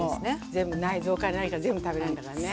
全部内臓から何から全部食べれんだからね。